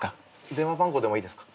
電話番号でもいいですか？